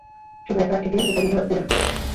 শুধু একে কোথায় যেতে দেবে না।